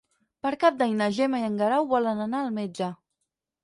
Per Cap d'Any na Gemma i en Guerau volen anar al metge.